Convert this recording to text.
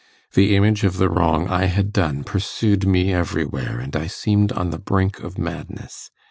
The image of the wrong I had done pursued me everywhere, and I seemed on the brink of madness.